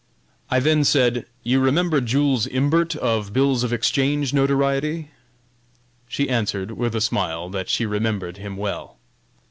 I then said: "You remember Jules Imbert, of Bills of Exchange notoriety?" She answered, with a smile, that she remembered him well.